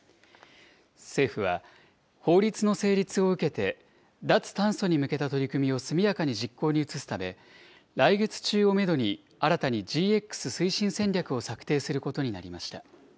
政府は法律の成立を受けて、脱炭素に向けた取り組みを速やかに実行に移すため、来月中をメドに新たにＧＸ推進戦略を策定することになりました。